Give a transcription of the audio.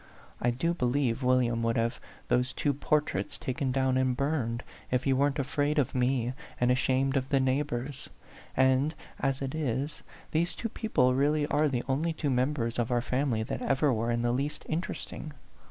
I do be lieve William would have those two por traits taken down and burned, if he weren't afraid of me and ashamed of the neighbors. And as it is, these two people really are the only two members of our family that ever were in the least interesting.